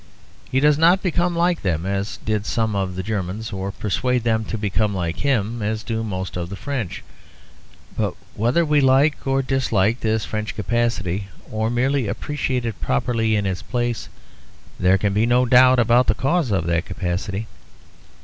He does not become like them, as did some of the Germans, or persuade them to become like him, as do most of the French. But whether we like or dislike this French capacity, or merely appreciate it properly in its place, there can be no doubt about the cause of that capacity.